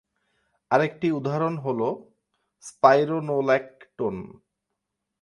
আরেকটি উদাহরণ হল স্পাইরোনোল্যাকটোন।